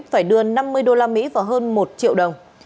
phải đưa năm mươi usd vào hơn một triệu đồng